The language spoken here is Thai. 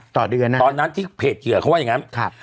ตอนนั้นที่เพจเหยื่อเขาว่าอย่างงั้น